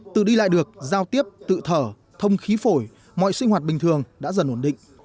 tự đi lại được giao tiếp tự thở thông khí phổi mọi sinh hoạt bình thường đã dần ổn định